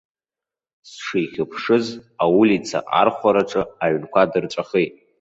Сшихьыԥшыз, аулица архәараҿы аҩнқәа дырҵәахит.